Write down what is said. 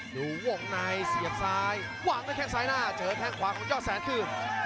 อยู่วงไนท์เสียบซ้ายว่างในแค่ไส้หน้าเจอแท่งขวาของยอดแสนคืม